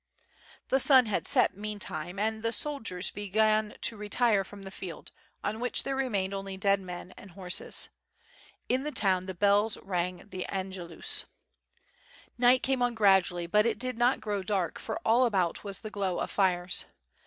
The sun had set meantime, and the soldiers began to re tire from the field, on which there remained only dead men and horses. In the town the bells rang the Angelus. Night came on gradually but it did not grow dark, for all about was the glow of fires.